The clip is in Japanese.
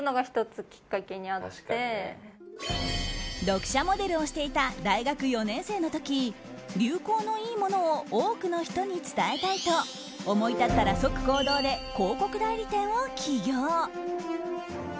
読者モデルをしていた大学４年生の時流行のいいものを多くの人に伝えたいと思い立ったら即行動で広告代理店を起業。